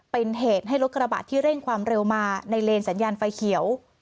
เป็นเหตุให้รถกระบะที่เร่งความเร็วมาในเลนสัญญาณไฟเขียว